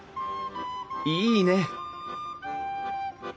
いいね！